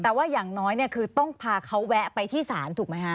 แต่ว่าอย่างน้อยเนี่ยคือต้องพาเขาแวะไปที่ศาลถูกไหมฮะ